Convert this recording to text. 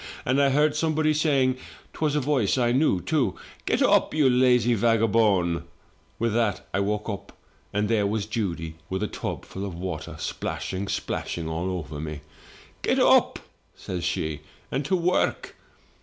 And I heard somebody saying — 'twas a voice I knew, too —' Get up, you lazy vagabond ' With 80 THROUGH FAIRY HALLS that I woke up, and there was Judy with a tub full of water, splashing, splashing all over me. "*Get up,' says she, *and to work.